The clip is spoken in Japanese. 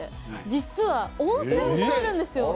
実は温泉もあるんですよ。